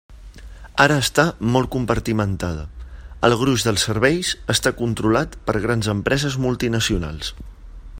Ara està molt compartimentada, el gruix dels serveis està controlat per grans empreses multinacionals.